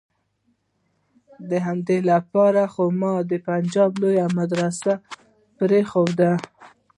د همدې د پاره خو ما د پنجاب لويه مدرسه پرېخوده.